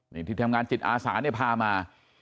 นี่ที่ทำงานจิตอาสาเนี่ยพามา